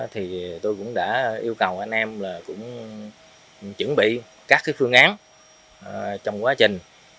thì tôi cũng đã yêu cầu anh em chuẩn bị các phương án trong quá trình